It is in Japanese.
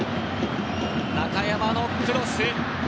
中山のクロス。